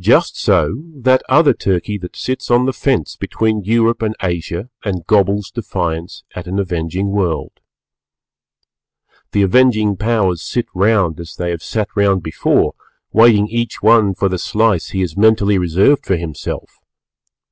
Just so that other Turkey that sits on the fence between Europe and Asia and gobbles defiance at an avenging world. The avenging Powers sit round as they have sat round before, waiting each one for the slice he has mentally reserved for himself.